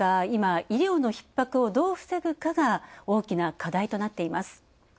今、医療のひっ迫をどう防ぐかが大きな課題となっています。